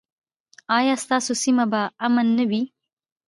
ایا ستاسو سیمه به امن نه وي؟